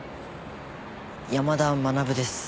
山田学です。